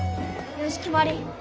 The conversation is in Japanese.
よしきまり！